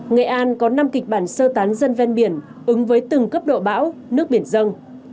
nghệ an có năm kịch bản sơ tán dân ven biển ứng với từng cấp độ bão nước biển dân